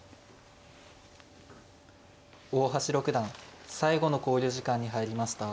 大橋六段最後の考慮時間に入りました。